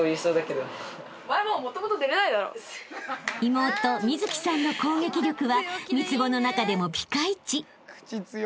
［妹美月さんの攻撃力は三つ子の中でもピカイチ］